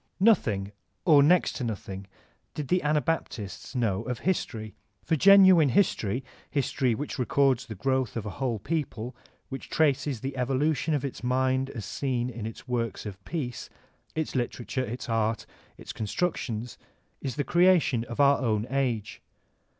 Nothing or next to nothing did the Anabaptists know of history. For genuine history, history which records the growth of a whole people, which traces the evolution of its mind as seen in its works of peace, — ^its literature, its art, its constructions — is the creation of our own age.